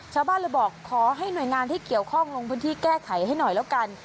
ชาวบ้านเลยบอกขอให้หน่วยงานที่เกี่ยวข้องลงพื้นที่แก้ไขให้หน่อยแล้วกัน